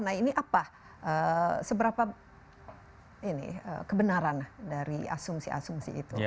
nah ini apa seberapa kebenaran dari asumsi asumsi itu